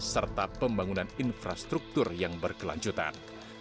serta pembangunan infrastruktur yang berkelanjutan